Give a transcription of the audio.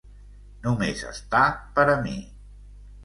Només està per a mi!